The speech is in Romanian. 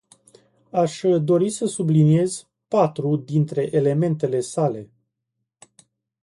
Aș dori să subliniez patru dintre elementele sale.